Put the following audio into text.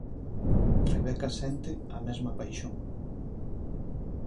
Rebeca sente a mesma paixón.